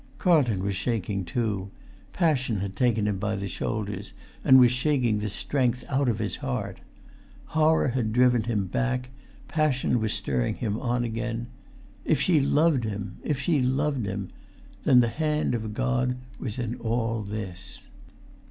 Carlton was shaking, too; passion had taken him by the shoulders, and was shaking the strength out of his heart. Horror had driven him back, passion was spurring him on again. If she loved him—if she loved him—then the hand of God was in all this.